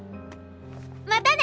またね！